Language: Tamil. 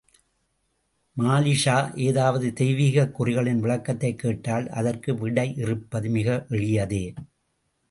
மாலிக்ஷா ஏதாவது தெய்வீகக் குறிகளின் விளக்கத்தைக் கேட்டால், அதற்கு விடையிறுப்பது மிக எளியதே!